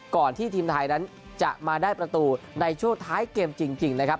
ก่อนที่ทีมไทยนั้นจะมาได้ประตูในช่วงท้ายเกมจริงนะครับ